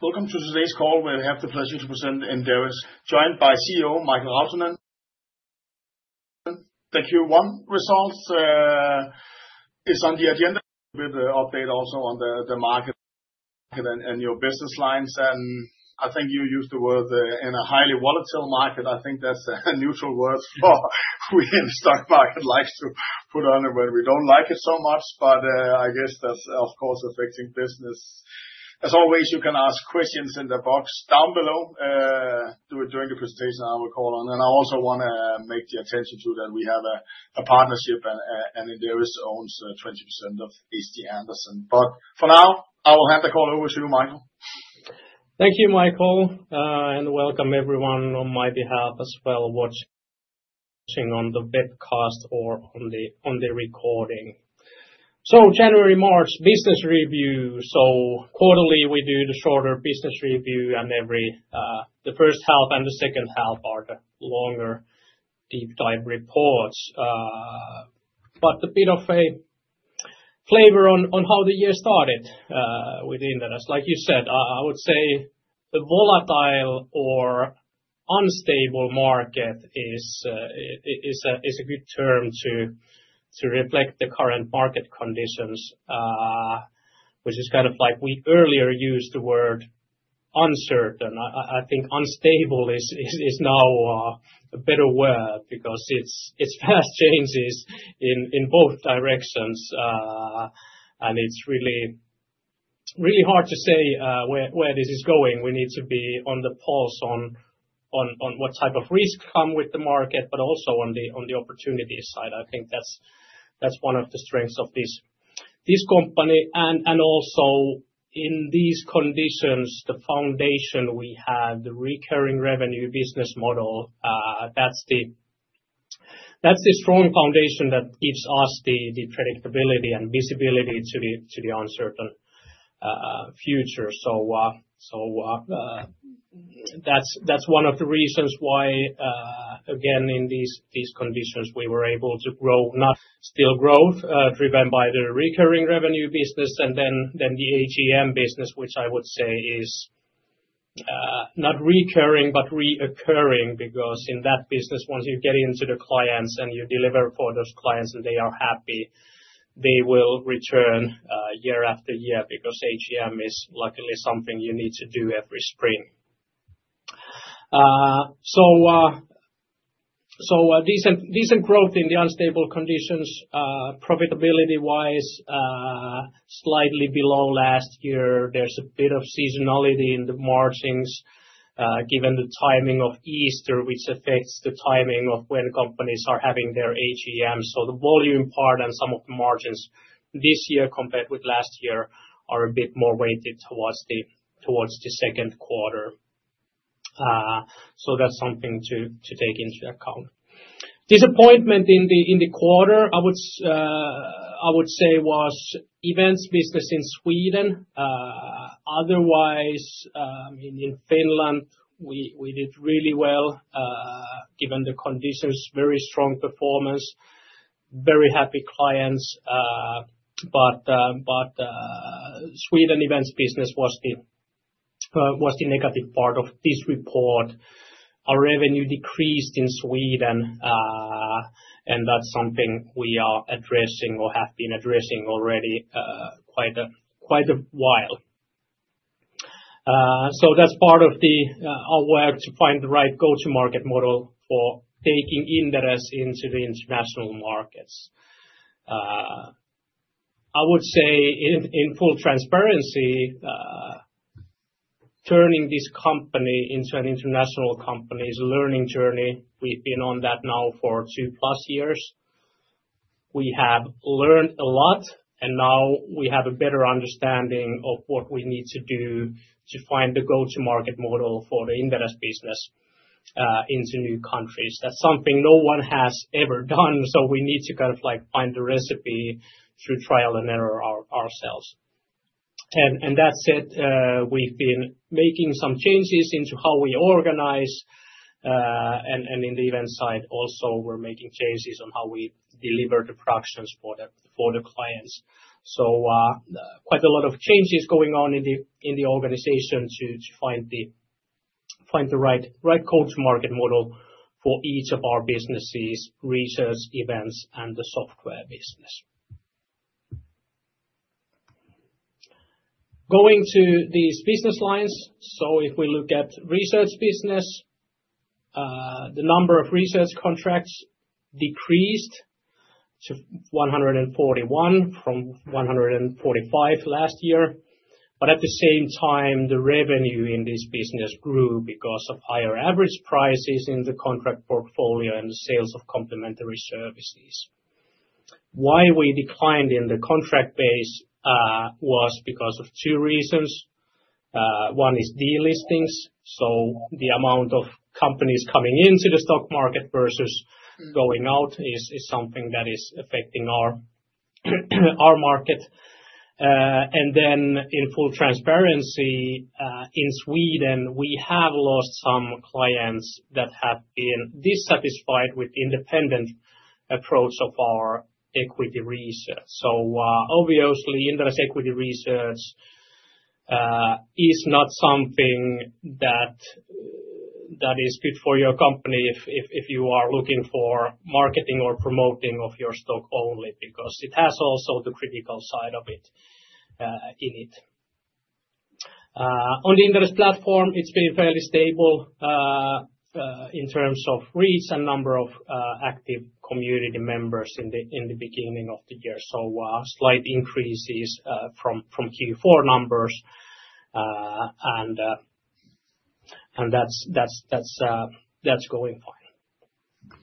Welcome to today's call. We have the pleasure to present Inderes joined by CEO Mikael Rautanen. [The Q1] result is on the agenda. A bit, update also on the, the market, market and your business lines. I think you used the word, in a highly volatile market. I think that's a neutral word for, for in the stock market likes to put on it when we don't like it so much. I guess that's, of course, affecting business. As always, you can ask questions in the box down below, during the presentation. I will call on. I also wanna make the attention to that we have a partnership and Inderes owns 20% of HC Andersen. For now, I will hand the call over to you, Mikael. Thank you, Michael, and welcome everyone on my behalf as well watching on the webcast or on the recording. January, March business review. Quarterly we do the shorter business review and every, the first half and the second half are the longer deep dive reports. A bit of a flavor on how the year started with Inderes. Like you said, I would say the volatile or unstable market is a good term to reflect the current market conditions, which is kind of like we earlier used the word uncertain. I think unstable is now a better word because it's fast changes in both directions. It's really, really hard to say where this is going. We need to be on the pulse on what type of risk come with the market, but also on the opportunity side. I think that's one of the strengths of this company. Also in these conditions, the foundation we have, the recurring revenue business model, that's the strong foundation that gives us the predictability and visibility to the uncertain future. That's one of the reasons why, again, in these conditions we were able to grow, not still growth, driven by the recurring revenue business and then the AGM business, which I would say is not recurring, but reoccurring because in that business, once you get into the clients and you deliver for those clients and they are happy, they will return year after year because AGM is luckily something you need to do every spring. Decent growth in the unstable conditions, profitability wise, slightly below last year. There's a bit of seasonality in the margins, given the timing of Easter, which affects the timing of when companies are having their AGM. The volume part and some of the margins this year compared with last year are a bit more weighted towards the second quarter. That's something to take into account. Disappointment in the quarter, I would say, was events business in Sweden. Otherwise, in Finland, we did really well, given the conditions, very strong performance, very happy clients. However, Sweden events business was the negative part of this report. Our revenue decreased in Sweden, and that's something we are addressing or have been addressing already, quite a while. That's part of our work to find the right go-to-market model for taking Inderes into the international markets. I would say in full transparency, turning this company into an international company is a learning journey. We've been on that now for 2+ years. We have learned a lot and now we have a better understanding of what we need to do to find the go-to-market model for the Inderes business, into new countries. That is something no one has ever done. We need to kind of like find the recipe through trial and error ourselves. That is it. We've been making some changes into how we organize, and in the event side also we're making changes on how we deliver the productions for the clients. Quite a lot of changes going on in the organization to find the right go-to-market model for each of our businesses, research, events, and the software business. Going to these business lines. If we look at research business, the number of research contracts decreased to 141 from 145 last year. At the same time, the revenue in this business grew because of higher average prices in the contract portfolio and the sales of complementary services. Why we declined in the contract base was because of two reasons. One is de-listings. The amount of companies coming into the stock market versus going out is something that is affecting our market. In full transparency, in Sweden, we have lost some clients that have been dissatisfied with the independent approach of our equity research. Obviously, Inderes equity research is not something that is good for your company if you are looking for marketing or promoting of your stock only because it has also the critical side of it in it. On the Inderes platform, it's been fairly stable, in terms of reach and number of active community members in the beginning of the year. Slight increases from Q4 numbers, and that's going fine.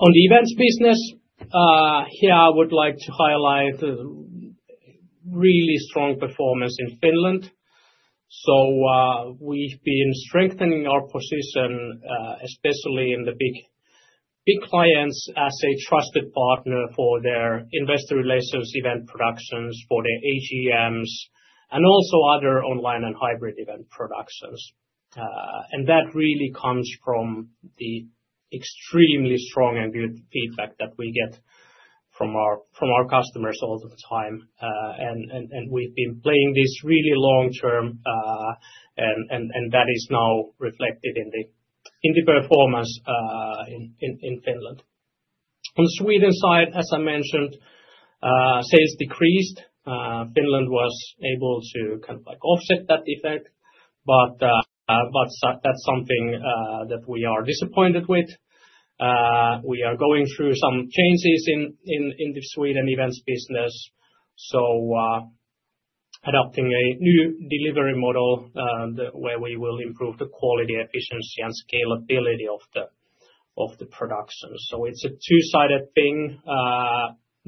On the events business, here I would like to highlight a really strong performance in Finland. We've been strengthening our position, especially in the big clients as a trusted partner for their investor relations event productions, for their AGMs, and also other online and hybrid event productions. That really comes from the extremely strong and good feedback that we get from our customers all the time. We've been playing this really long term, and that is now reflected in the performance in Finland. On the Sweden side, as I mentioned, sales decreased. Finland was able to kind of like offset that effect. That is something that we are disappointed with. We are going through some changes in the Sweden events business, adopting a new delivery model where we will improve the quality, efficiency, and scalability of the production. It is a two-sided thing.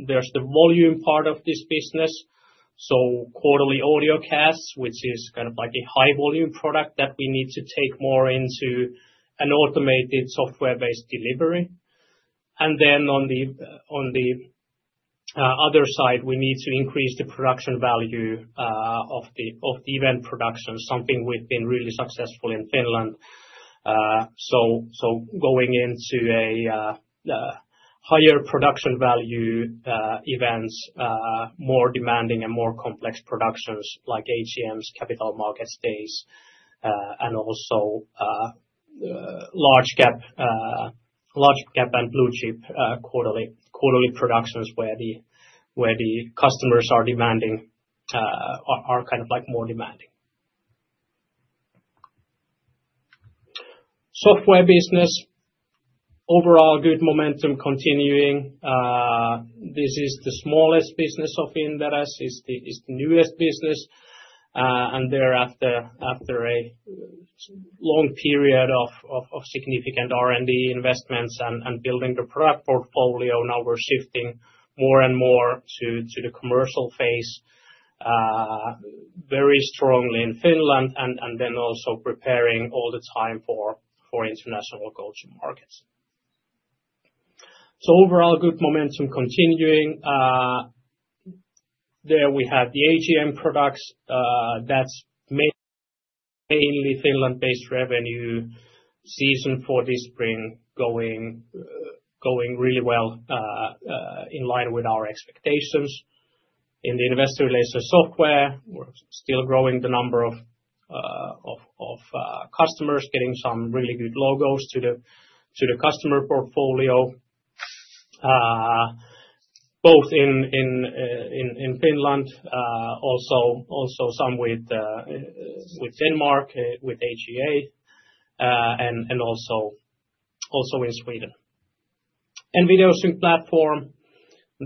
There is the volume part of this business, so quarterly audio casts, which is kind of like a high volume product that we need to take more into an automated software-based delivery. On the other side, we need to increase the production value of the event production, something we have been really successful in Finland. Going into a higher production value, events, more demanding and more complex productions like AGMs, capital market stays, and also large gap, large gap and blue-chip, quarterly, quarterly productions where the customers are demanding, are kind of like more demanding. Software business, overall good momentum continuing. This is the smallest business of Inderes. It's the newest business. Thereafter, after a long period of significant R&D investments and building the product portfolio, now we're shifting more and more to the commercial phase, very strongly in Finland and then also preparing all the time for international go-to-markets. Overall good momentum continuing. There we have the AGM products. That's mainly Finland-based revenue season for this spring going really well, in line with our expectations in the investor relation software. We're still growing the number of customers, getting some really good logos to the customer portfolio, both in Finland, also some with Denmark, with AGA, and also in Sweden. [Videosync] platform,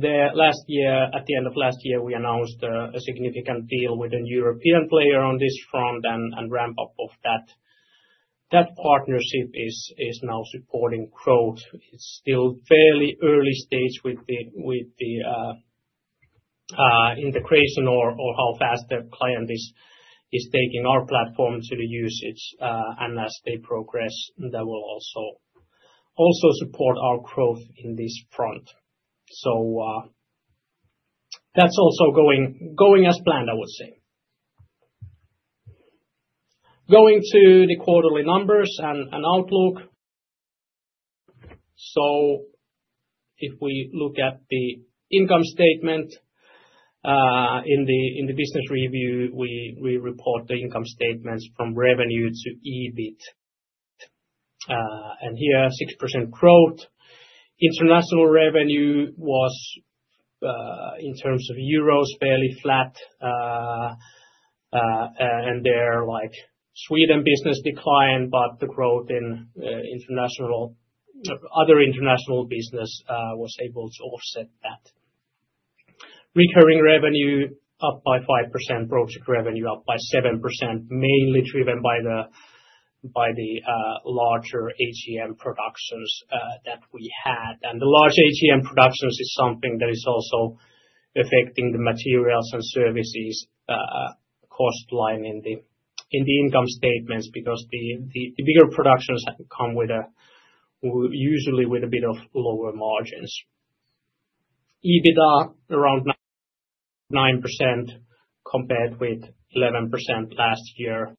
there last year, at the end of last year, we announced a significant deal with a European player on this front and ramp up of that partnership is now supporting growth. It's still fairly early stage with the integration or how fast the client is taking our platform to the usage. As they progress, that will also support our growth in this front. That's also going as planned, I would say. Going to the quarterly numbers and outlook. If we look at the income statement, in the business review, we report the income statements from revenue to EBIT. Here, 6% growth. International revenue was, in terms of euros, fairly flat. There, like Sweden business declined, but the growth in other international business was able to offset that. Recurring revenue up by 5%, project revenue up by 7%, mainly driven by the larger AGM productions that we had. The large AGM productions is something that is also affecting the materials and services cost line in the income statements because the bigger productions come with a, usually with a bit of lower margins. EBITDA around 9% compared with 11% last year.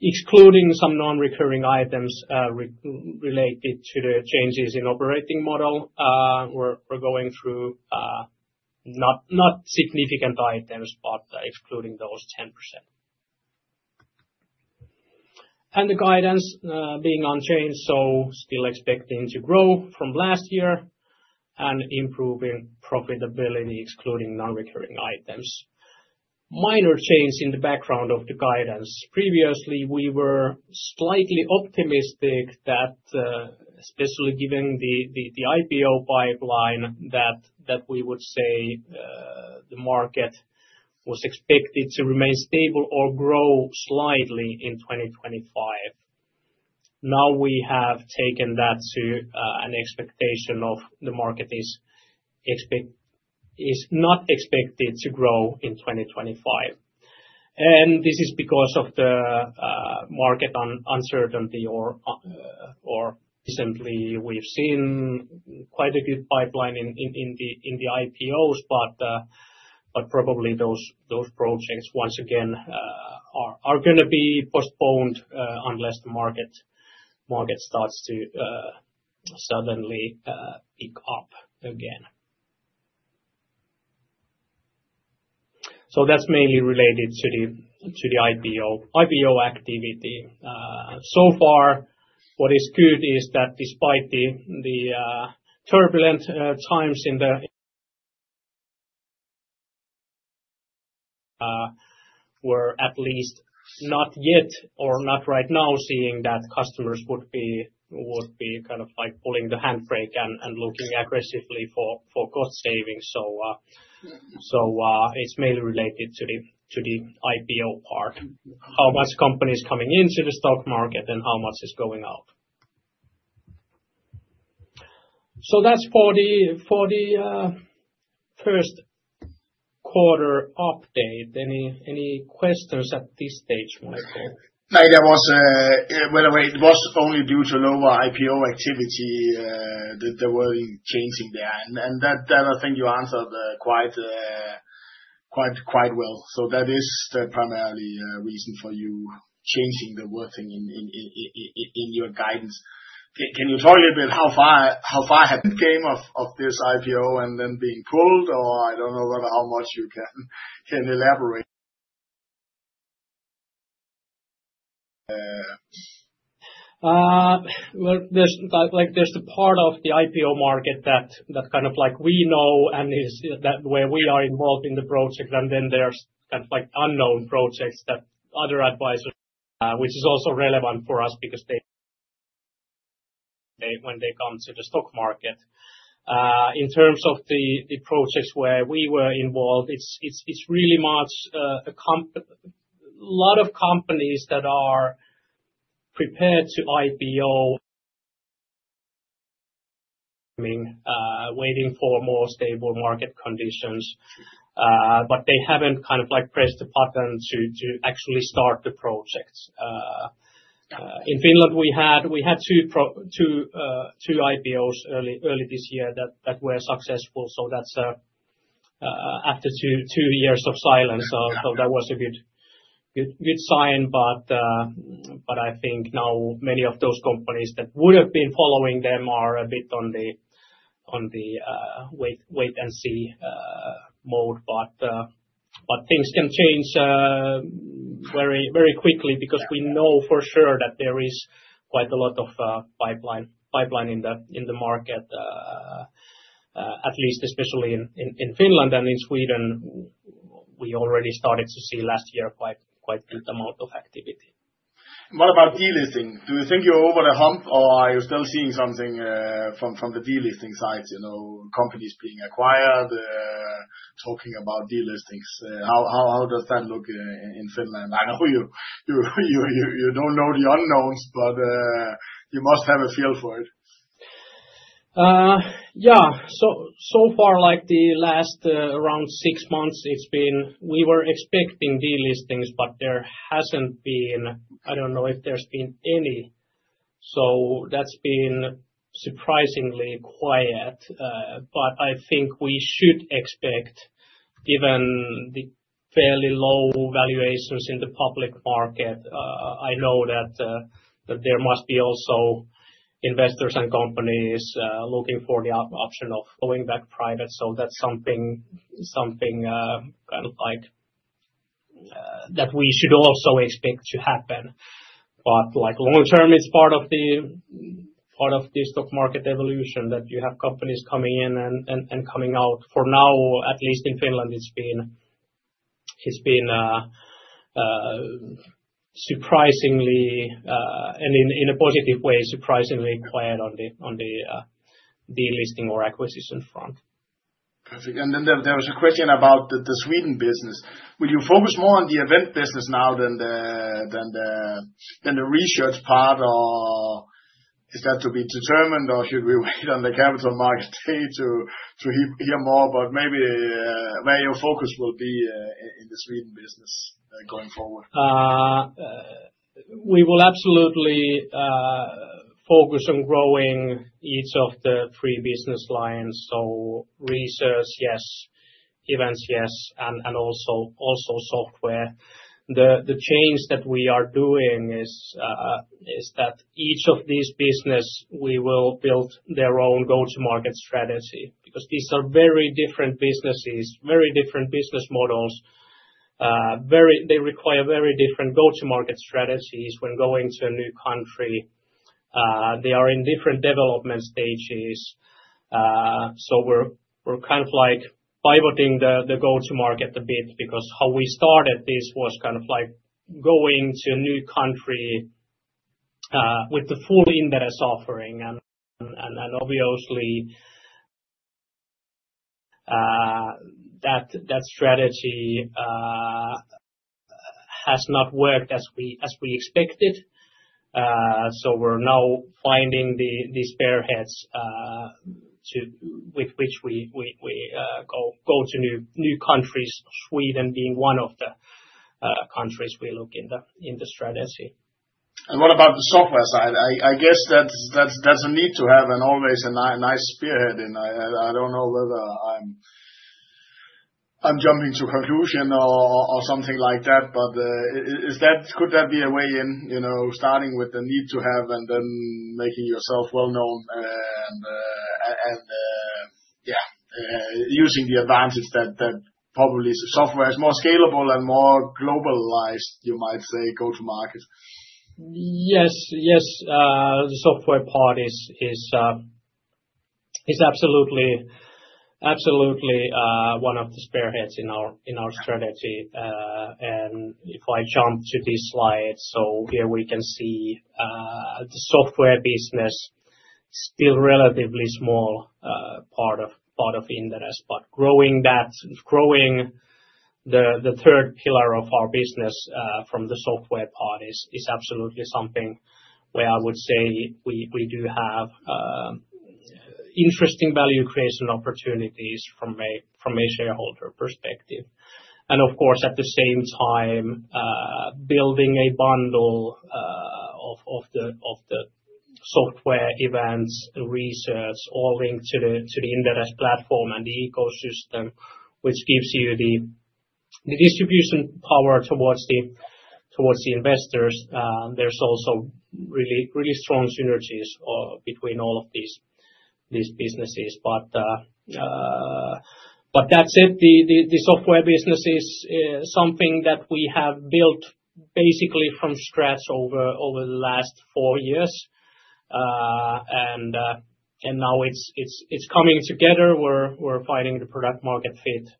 Excluding some non-recurring items related to the changes in operating model, we're going through, not significant items, but excluding those 10%. The guidance is unchanged. Still expecting to grow from last year and improving profitability, excluding non-recurring items. Minor change in the background of the guidance. Previously we were slightly optimistic that, especially given the IPO pipeline, we would say the market was expected to remain stable or grow slightly in 2025. Now we have taken that to an expectation that the market is not expected to grow in 2025. This is because of the market uncertainty. Recently we've seen quite a good pipeline in the IPOs, but probably those projects once again are going to be postponed, unless the market starts to suddenly pick up again. That is mainly related to the IPO activity. So far what is good is that despite the, the, turbulent times in the, we're at least not yet or not right now seeing that customers would be, would be kind of like pulling the handbrake and, and looking aggressively for, for cost savings. So, it's mainly related to the, to the IPO part, how much company is coming into the stock market and how much is going out. So that's for the, for the, first quarter update. Any, any questions at this stage, Michael? No, there was, well, it was only due to lower IPO activity, that there were changing there. And, and that, that I think you answered, quite, quite, quite well. So that is the primarily, reason for you changing the wording in, in, in, in, in your guidance. Can you talk a little bit how far, how far have you came of, of this IPO and then being pulled? I don't know whether, how much you can elaborate. There's like, like there's the part of the IPO market that, that kind of like we know and is that where we are involved in the project. Then there's kind of like unknown projects that other advisors, which is also relevant for us because they, when they come to the stock market. In terms of the projects where we were involved, it's really much, a lot of companies that are prepared to IPO, I mean, waiting for more stable market conditions. They haven't kind of like pressed the button to actually start the projects. In Finland we had two IPOs early this year that were successful. That is after two years of silence. That was a good sign. I think now many of those companies that would have been following them are a bit on the wait-and-see mode. Things can change very quickly because we know for sure that there is quite a lot of pipeline in the market, at least especially in Finland and in Sweden. We already started to see last year quite a good amount of activity. What about de-listing? Do you think you're over the hump or are you still seeing something from the de-listing side, you know, companies being acquired, talking about de-listings? How does that look in Finland? I know you don't know the unknowns, but you must have a feel for it. Yeah. So far, like the last around six months, we were expecting de-listings, but there hasn't been, I don't know if there's been any. That's been surprisingly quiet. I think we should expect, given the fairly low valuations in the public market, I know that there must be also investors and companies looking for the option of going back private. That's something kind of like that we should also expect to happen. Like long term, it's part of the stock market evolution that you have companies coming in and coming out. For now, at least in Finland, it's been, it's been surprisingly, and in a positive way, surprisingly quiet on the de-listing or acquisition front. There was a question about the Sweden business. Will you focus more on the event business now than the research part? Or is that to be determined? Should we wait on the capital market day to hear more about maybe where your focus will be in the Sweden business going forward? We will absolutely focus on growing each of the three business lines. So research, yes. Events, yes. And also software. The change that we are doing is that each of these business, we will build their own go-to-market strategy because these are very different businesses, very different business models, they require very different go-to-market strategies when going to a new country. They are in different development stages. We are kind of like pivoting the go-to-market a bit because how we started this was kind of like going to a new country with the full Inderes offering. And obviously, that strategy has not worked as we expected. We are now finding the spearheads with which we go to new countries. Sweden being one of the countries we look in the strategy. What about the software side? I guess that's a need to have and always a nice, nice spearhead in. I don't know whether I'm jumping to conclusion or something like that, but is that, could that be a way in, you know, starting with the need to have and then making yourself well-known and, yeah, using the advantage that probably software is more scalable and more globalized, you might say, go-to-market. Yes, yes. The software part is absolutely, absolutely one of the spearheads in our strategy. If I jump to this slide, here we can see the software business still relatively small, part of Inderes, but growing. Growing the third pillar of our business from the software part is absolutely something where I would say we do have interesting value creation opportunities from a shareholder perspective. Of course, at the same time, building a bundle of the software, events, research, all linked to the Inderes platform and the ecosystem, which gives you the distribution power towards the investors. There's also really, really strong synergies between all of these businesses. That's it. The software business is something that we have built basically from scratch over the last four years, and now it's coming together. We're finding the product market fit,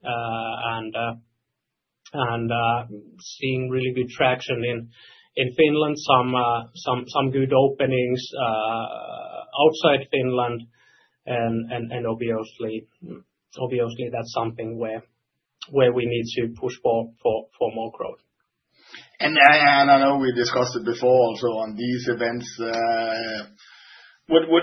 and seeing really good traction in Finland, some good openings outside Finland. Obviously that's something where we need to push for more growth. I don't know if we discussed it before also on these events. What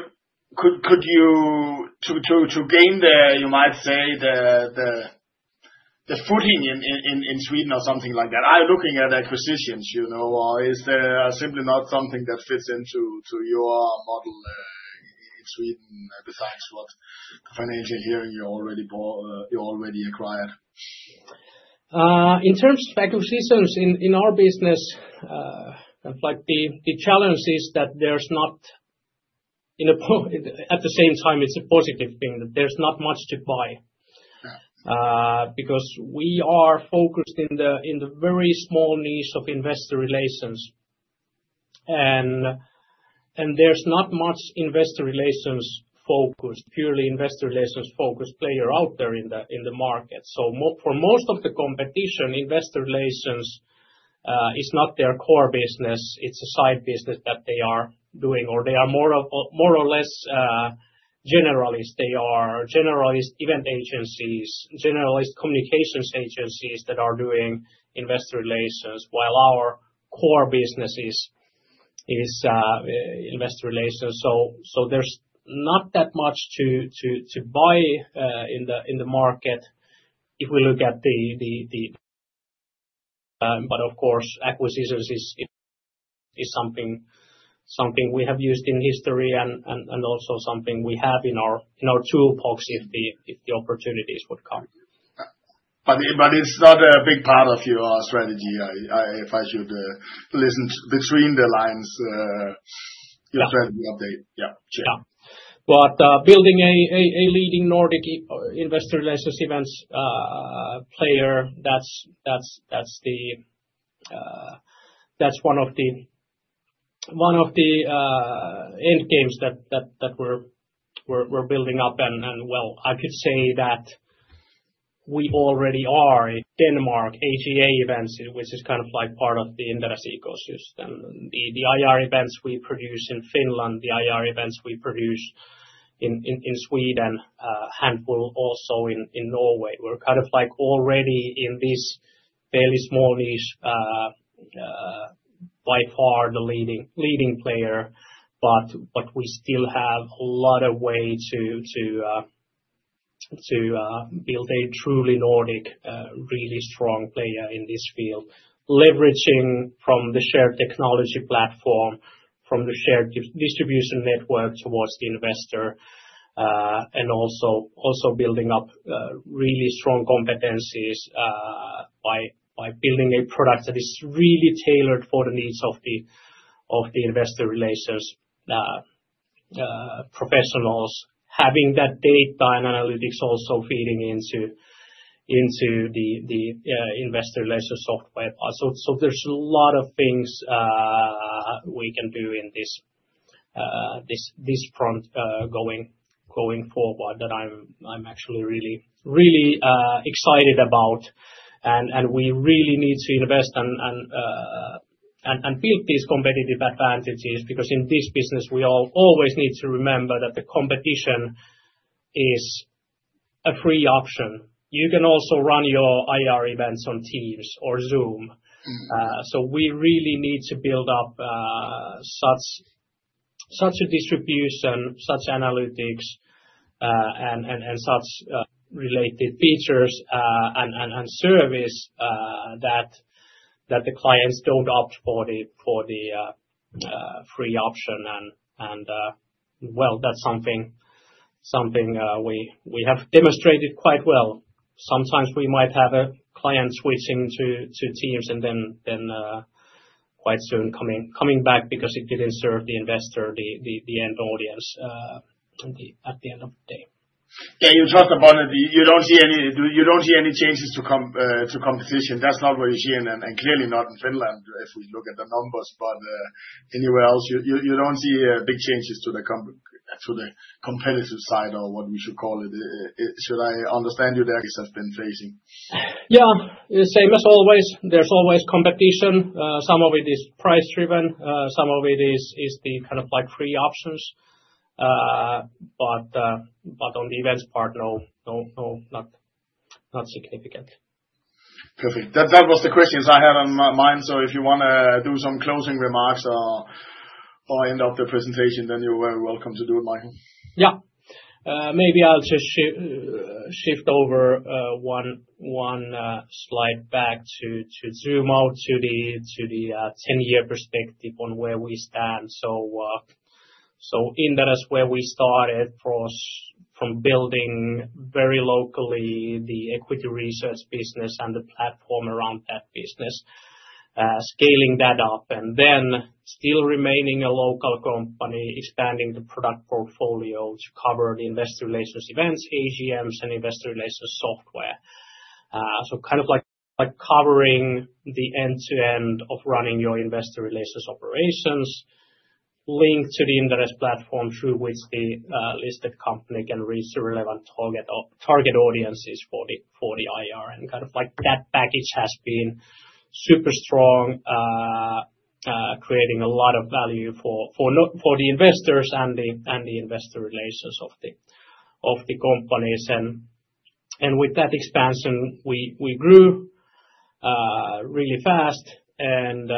could you do to gain the, you might say, the footing in Sweden or something like that? Are you looking at acquisitions, you know, or is there simply not something that fits into your model in Sweden besides what Financial Hearing you already bought, you already acquired? In terms of acquisitions in our business, kind of like the challenge is that there's not, you know, at the same time, it's a positive thing that there's not much to buy. Because we are focused in the very small niche of investor relations, and there is not much investor relations focused, purely investor relations focused player out there in the market. For most of the competition, investor relations is not their core business. It is a side business that they are doing or they are more or less generalist. They are generalist event agencies, generalist communications agencies that are doing investor relations, while our core business is investor relations. There is not that much to buy in the market if we look at the, but of course, acquisitions is something we have used in history and also something we have in our toolbox if the opportunities would come. It is not a big part of your strategy. If I should listen to between the lines, your strategy update. Yeah. Building a leading Nordic investor relations events player, that's one of the end games that we're building up. I could say that we already are. Denmark AGA events, which is kind of like part of the Inderes ecosystem. The IR events we produce in Finland, the IR events we produce in Sweden, handful also in Norway. We're kind of like already in this fairly small niche, by far the leading player. We still have a lot of way to build a truly Nordic, really strong player in this field, leveraging from the shared technology platform, from the shared distribution network towards the investor, and also building up really strong competencies by building a product that is really tailored for the needs of the investor relations professionals, having that data and analytics also feeding into the investor relations software. There are a lot of things we can do in this front going forward that I'm actually really, really excited about. We really need to invest and build these competitive advantages because in this business, we always need to remember that the competition is a free option. You can also run your IR events on Teams or Zoom. We really need to build up such a distribution, such analytics, and such related features and service that the clients do not opt for the free option. That is something we have demonstrated quite well. Sometimes we might have a client switching to Teams and then quite soon coming back because it did not serve the investor, the end audience, at the end of the day. Yeah. You talked about it. You do not see any changes to come to competition. That is not what you are seeing and clearly not in Finland if we look at the numbers. Anywhere else, you do not see big changes to the competitive side or what we should call it. Should I understand you have been facing? Yeah. Same as always. There's always competition. Some of it is price-driven. Some of it is the kind of like free options. But on the events part, no, not significant. Perfect. That was the questions I had on my mind. If you want to do some closing remarks or end of the presentation, then you're very welcome to do it, Mikael. Yeah. Maybe I'll just shift over, one slide back to zoom out to the 10-year perspective on where we stand. Interest where we started from, from building very locally the equity research business and the platform around that business, scaling that up and then still remaining a local company, expanding the product portfolio to cover the investor relations events, AGMs, and investor relations software. Kind of like covering the end to end of running your investor relations operations linked to the Inderes platform through which the listed company can reach the relevant target audiences for the IR. That package has been super strong, creating a lot of value for the investors and the investor relations of the companies. With that expansion, we grew really fast. The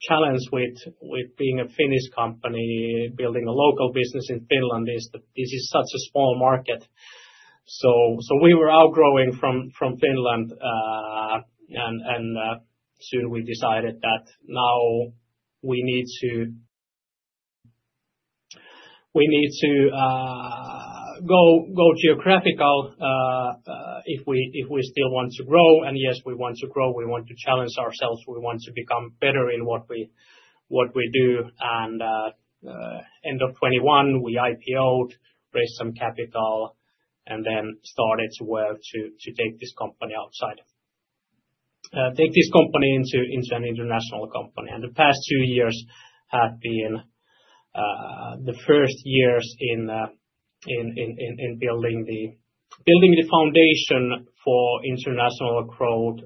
challenge with being a Finnish company, building a local business in Finland, is that this is such a small market. We were outgrowing from Finland, and soon we decided that now we need to go geographical if we still want to grow. Yes, we want to grow. We want to challenge ourselves. We want to become better in what we do. End of 2021, we IPOed, raised some capital, and then started to work to take this company outside, take this company into an international company. The past two years have been the first years in building the foundation for international growth,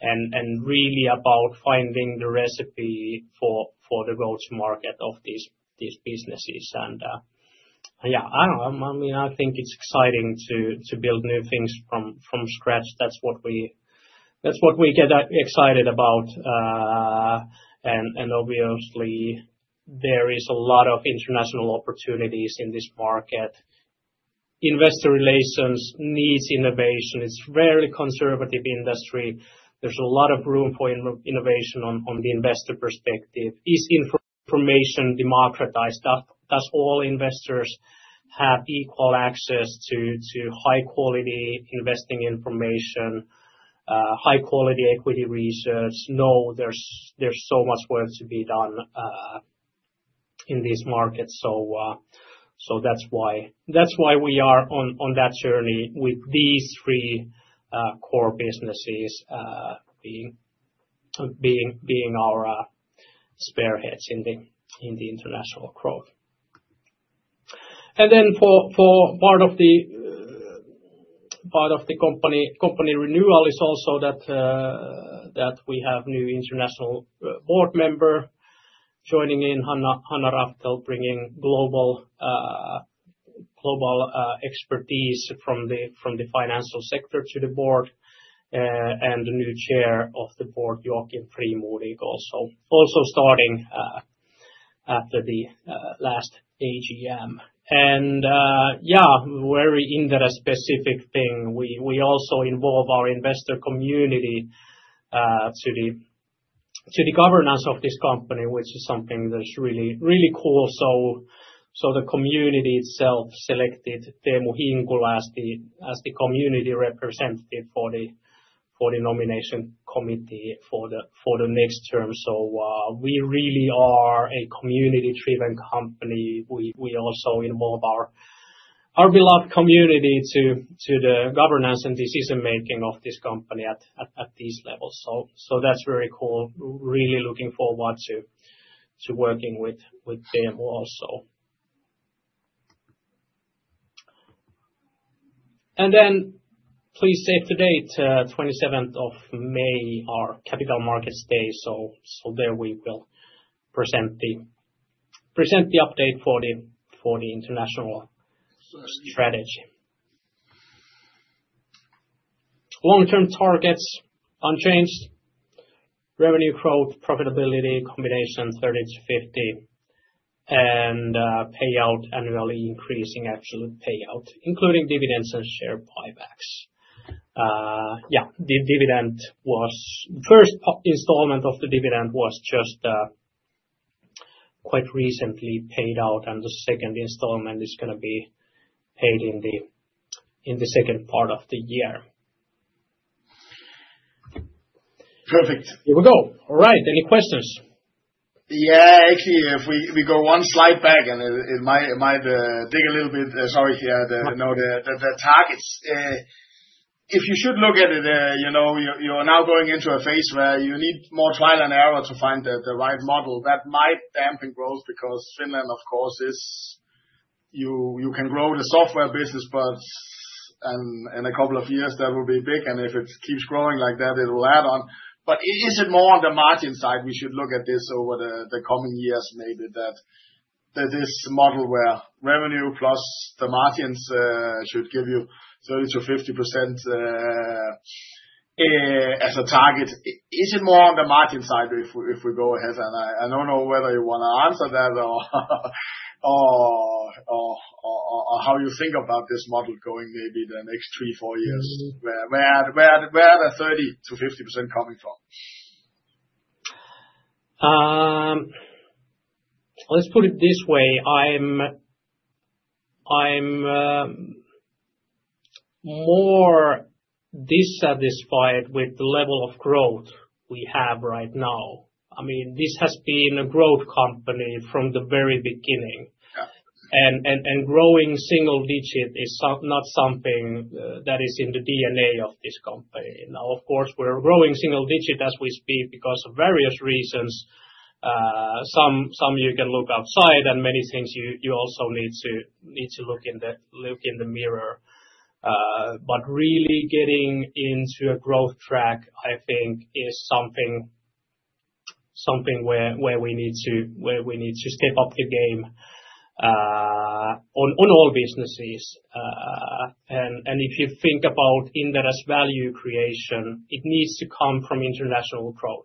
and really about finding the recipe for the go-to-market of these businesses. I don't know. I mean, I think it's exciting to build new things from scratch. That's what we get excited about. Obviously there is a lot of international opportunities in this market. Investor relations needs innovation. It's a rarely conservative industry. There's a lot of room for innovation on the investor perspective. Is information democratized? Does all investors have equal access to high-quality investing information, high-quality equity research? No, there's so much work to be done in this market. That's why we are on that journey with these three core businesses being our spearheads in the international growth. For part of the company renewal, we have a new international board member joining in, Hanna Raftell, bringing global expertise from the financial sector to the board, and the new Chair of the Board, Joakim Frimodig, also starting after the last AGM. Yeah, very interest-specific thing. We also involve our investor community to the governance of this company, which is something that's really, really cool. The community itself selected Teemu Hinkula as the community representative for the nomination committee for the next term. We really are a community-driven company. We also involve our beloved community in the governance and decision-making of this company at these levels. That is very cool. Really looking forward to working with Teemu also. Please save the date, 27th of May, our capital markets day. There we will present the update for the international strategy. Long-term targets unchanged. Revenue growth, profitability combination 30-50, and payout annually increasing absolute payout, including dividends and share buybacks. Yeah, the first installment of the dividend was just quite recently paid out. The second installment is going to be paid in the second part of the year. Perfect. Here we go. All right. Any questions? Yeah. Actually, if we go one slide back and it might dig a little bit. Sorry. Yeah. The targets, if you should look at it, you know, you're now going into a phase where you need more trial and error to find the right model that might dampen growth because Finland, of course, is, you can grow the software business, but in a couple of years that will be big. And if it keeps growing like that, it will add on. But is it more on the margin side? We should look at this over the coming years, maybe that this model where revenue plus the margins should give you 30%-50% as a target. Is it more on the margin side if we go ahead? I don't know whether you want to answer that or how you think about this model going maybe the next three, four years, where are the 30%-50% coming from? Let's put it this way. I'm more dissatisfied with the level of growth we have right now. I mean, this has been a growth company from the very beginning. Yeah, and growing single digit is not something that is in the DNA of this company. Now, of course, we're growing single digit as we speak because of various reasons. Some you can look outside and many things you also need to look in the mirror. Really getting into a growth track, I think, is something where we need to step up the game on all businesses. If you think about Inderes value creation, it needs to come from international growth.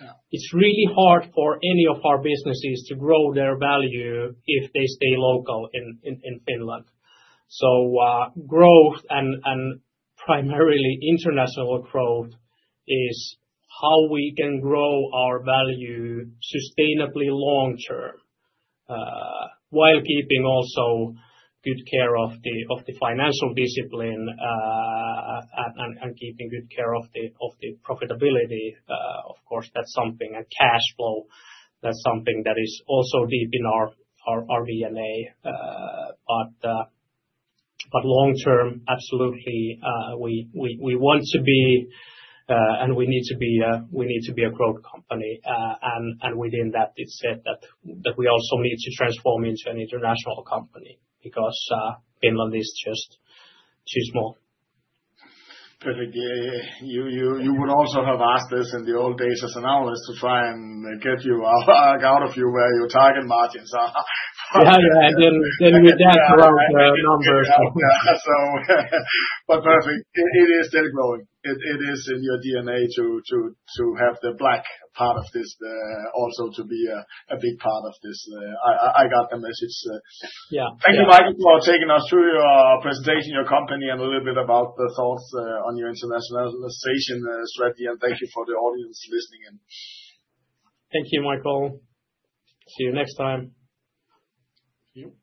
Yeah. It's really hard for any of our businesses to grow their value if they stay local in Finland. Growth and primarily international growth is how we can grow our value sustainably long term, while keeping also good care of the financial discipline and keeping good care of the profitability. Of course, that's something, and cash flow, that's something that is also deep in our DNA. Long term, absolutely, we want to be, and we need to be, we need to be a growth company. Within that, it's said that we also need to transform into an international company because Finland is just too small. Perfect. You would also have asked us in the old days as an analyst to try and get you out of you where your target margins are. Yeah. And then we dance around the numbers. Perfect. It is still growing. It is in your DNA to have the black part of this, also to be a big part of this. I got the message. Thank you, Mikael, for taking us through your presentation, your company, and a little bit about the thoughts on your internationalization strategy. Thank you for the audience listening. Thank you, Michael. See you next time.